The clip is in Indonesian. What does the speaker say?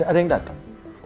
ada yang datang